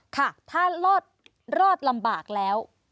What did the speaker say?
ค่ะถ้ารอดลำบากแล้ว